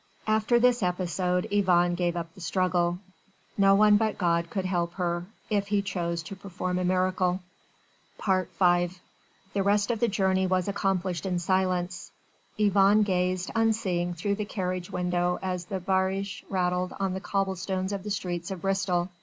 After this episode Yvonne gave up the struggle. No one but God could help her, if He chose to perform a miracle. V The rest of the journey was accomplished in silence. Yvonne gazed, unseeing, through the carriage window as the barouche rattled on the cobble stones of the streets of Bristol.